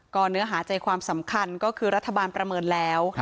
เนื้อหาใจความสำคัญก็คือรัฐบาลประเมินแล้ว